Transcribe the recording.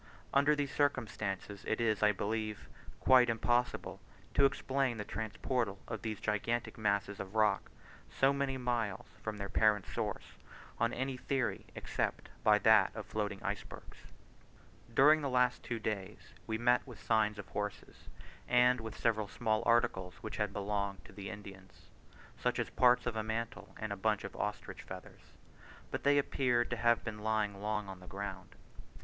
Under these circumstances it is, I believe, quite impossible to explain the transportal of these gigantic masses of rock so many miles from their parent source, on any theory except by that of floating icebergs. During the two last days we met with signs of horses, and with several small articles which had belonged to the Indians such as parts of a mantle and a bunch of ostrich feathers , but they appeared to have been lying long on the ground.